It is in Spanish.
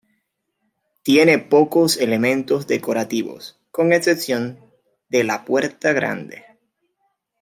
Tiene pocos elementos decorativos, con excepción de la "Puerta Grande".